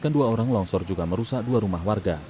dan dua orang longsor juga merusak dua rumah warga